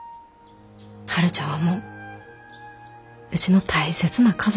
春ちゃんはもううちの大切な家族だす。